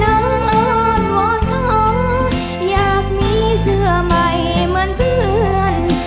น้องอ้อนว่อนขออยากมีเสื้อใหม่เหมือนเพื่อน